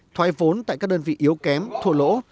thoái vốn tại các đơn vị yếu kém thua lỗ